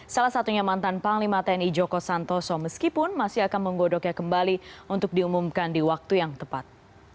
salah satunya mantan panglima tni joko santoso meskipun masih akan menggodoknya kembali untuk diumumkan di waktu yang tepat